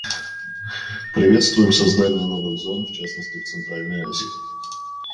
Приветствуем создание новых зон, в частности в Центральной Азии.